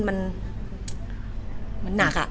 มันหนักอะ